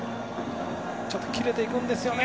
ちょっと切れていくんですよね。